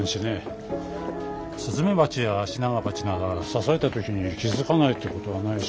スズメバチやアシナガバチなら刺された時に気付かないってことはないし。